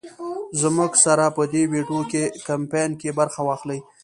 زمونږ سره په دې وېډيو کمپين کې برخه واخلۍ